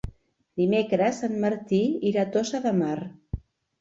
Dimecres en Martí irà a Tossa de Mar.